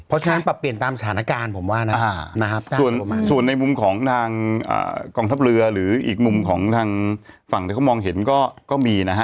เพราะฉะนั้นปรับเปลี่ยนตามสถานการณ์ผมว่านะครับส่วนในมุมของทางกองทัพเรือหรืออีกมุมของทางฝั่งที่เขามองเห็นก็มีนะฮะ